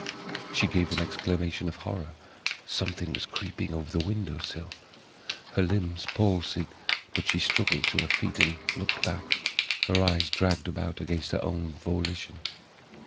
She gave an exclamation of horror. Something was creeping over the window sill. Her limbs palsied, but she struggled to her feet and looked back, her eyes dragged about against her own volition.